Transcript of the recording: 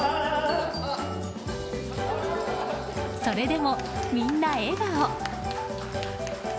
それでもみんな笑顔。